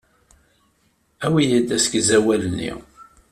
Awi-yi-d asegzawal-nni.